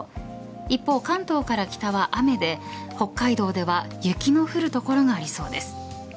一方、関東から北は雨で北海道では雪の降る所がありそうです。